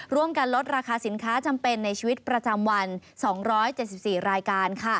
ร่วมกันลดราคาสินค้าจำเป็นในชีวิตประจำวัน๒๗๔รายการ